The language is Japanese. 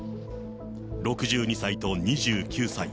６２歳と２９歳。